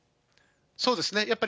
そうですね。